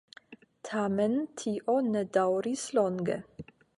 Tamen tio ne daŭris longe.